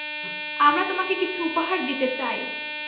আমরা তোমাকে কিছু উপহার দিতে চাই।